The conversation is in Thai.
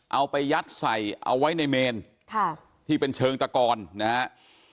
เอาไปยัดใส่เอาไว้ในเมนที่เป็นเชิงตะกอนนะฮะ